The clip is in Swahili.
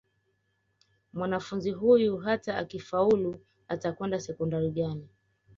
mwanafunzi huyu hata akifaulu atakwenda sekondari gani